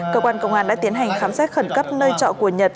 cơ quan công an đã tiến hành khám xét khẩn cấp nơi trọ của nhật